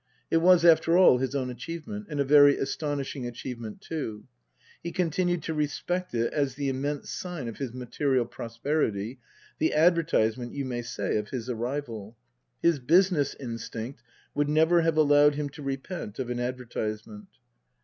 It was, after all, his own achievement, and a very aston ishing achievement too. He continued to respect it as the immense sign of his material prosperity, the adver tisement, you may say, of his arrival. His business instinct would never have allowed him to repent of an advertisement.